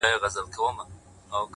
• د کلي سپی یې، د کلي خان دی،